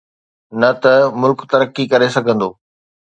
نه ته ملڪ ترقي ڪري سگهندو.